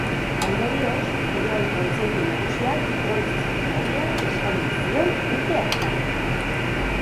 Ondorioz, Kirol Kontseilu Nagusiak brontzezko saria eskaini zion urte hartan.